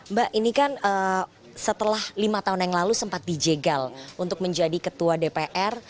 mbak ini kan setelah lima tahun yang lalu sempat dijegal untuk menjadi ketua dpr